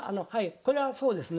これはそうですね。